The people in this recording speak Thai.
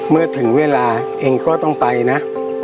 เมื่อถึงเวลาเองก็ต้องไปนะ